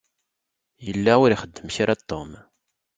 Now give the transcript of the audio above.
Yella ur ixeddem kra Tom.